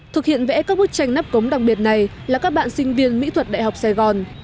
thực hiện vẽ các bức tranh nắp cống đặc biệt này là các bạn sinh viên mỹ thuật đại học sài gòn